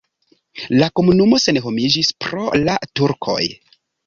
La komunumo senhomiĝis pro la turkoj.